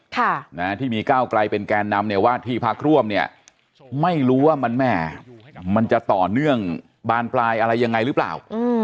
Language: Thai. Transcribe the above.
ค่ะนะที่มีก้าวไกลเป็นแกนนำเนี่ยว่าที่พักร่วมเนี่ยไม่รู้ว่ามันแม่มันจะต่อเนื่องบานปลายอะไรยังไงหรือเปล่า